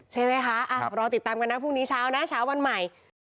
ใช่ไหมคะรอติดตามกันนะพรุ่งนี้เช้านะเช้าวันใหม่